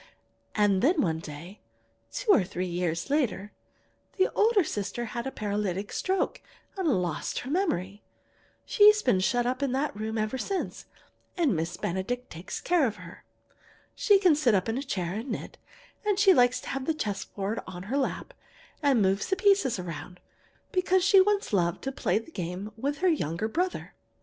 "And then one day, two or three years later, the older sister had a paralytic stroke and lost her memory. She's been shut up in that room ever since, and Miss Benedict takes care of her. She can sit up in a chair and knit, and she likes to have a chess board on her lap, and move the pieces around, because she once loved to play the game with her younger brother.